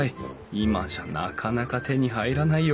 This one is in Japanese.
今じゃなかなか手に入らないよ